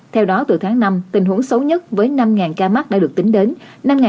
theo đó từ tháng năm tình huống xấu nhất với năm ca mắc đã được tính đến